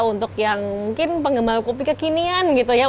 untuk yang mungkin penggemar kopi kekinian gitu ya